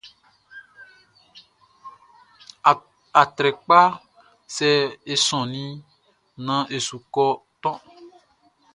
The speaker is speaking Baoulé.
Atrɛkpaʼn, sɛ e sɔnnin naan e su kɔ toʼn.